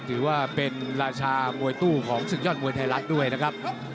ถือว่าเป็นราชามวยตู้ของศึกยอดมวยไทยรัฐด้วยนะครับ